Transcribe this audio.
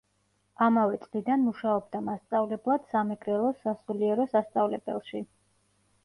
ამავე წლიდან მუშაობდა მასწავლებლად სამეგრელოს სასულიერო სასწავლებელში.